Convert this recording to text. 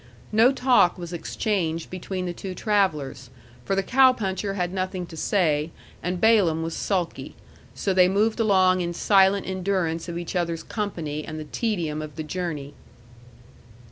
No talk was exchanged between the two travellers, for the cow puncher had nothing to say and Balaam was sulky, so they moved along in silent endurance of each other's company and the tedium of the journey.